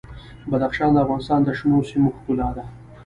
بدخشان د افغانستان د شنو سیمو ښکلا ده.